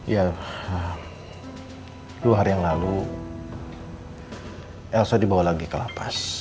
ya dua hari yang lalu elsa dibawa lagi ke lapas